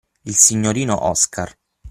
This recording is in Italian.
Il signorino Oscar.